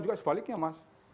juga sebaliknya mas